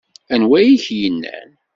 Anwa ay ak-yennan?